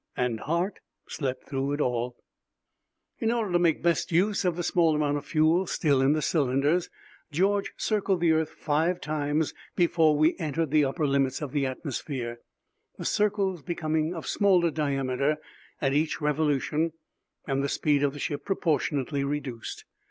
And Hart slept through it all. In order to make best use of the small amount of fuel still in the cylinders, George circled the earth five times before we entered the upper limits of the atmosphere, the circles becoming of smaller diameter at each revolution and the speed of the ship proportionately reduced.